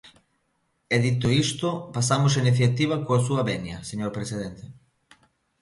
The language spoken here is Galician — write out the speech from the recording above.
E dito isto, pasamos á iniciativa coa súa benia, señor presidente.